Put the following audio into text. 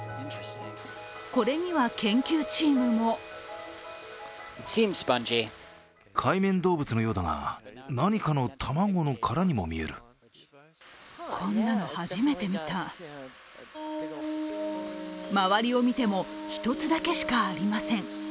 これには研究チームも周りを見ても１つだけしかありません。